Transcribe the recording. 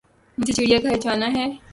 مجھے چڑیا گھر جانا ہے